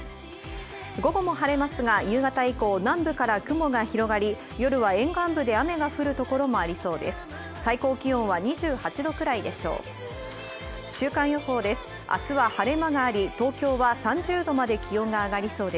午後も晴れますが夕方以降、南部から雲が広がり、夜は沿岸部で雨が降るところもありそうです。